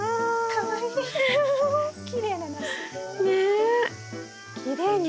かわいい！